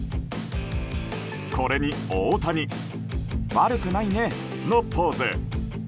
これに大谷悪くないねのポーズ。